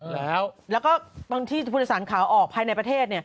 แล้วก็บางที่ผู้โดยสารขาวออกภายในประเทศ